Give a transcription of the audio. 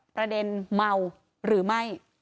ประเด็นเมาหรือไม่